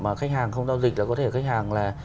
mà khách hàng không giao dịch là có thể khách hàng là